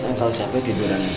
bang kalau capek tiduran aja